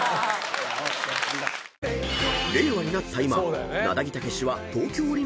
［令和になった今］